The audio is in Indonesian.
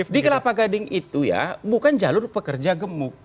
di kelapa gading itu ya bukan jalur pekerja gemuk